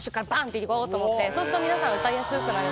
そうすると皆さん歌いやすくなる。